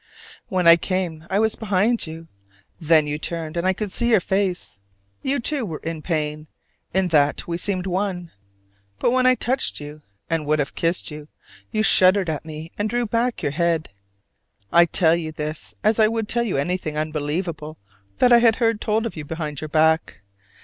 When I came I was behind you; then you turned and I could see your face you too were in pain: in that we seemed one. But when I touched you and would have kissed you, you shuddered at me and drew back your head. I tell you this as I would tell you anything unbelievable that I had heard told of you behind your back.